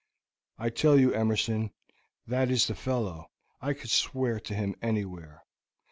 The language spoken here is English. "I tell you, Emerson, that is the fellow. I could swear to him anywhere.